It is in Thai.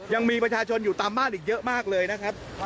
ยังมีประชาชนอยู่ตามบ้านอีกเยอะมากเลยนะครับ